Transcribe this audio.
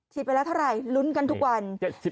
ไปแล้วเท่าไหร่ลุ้นกันทุกวัน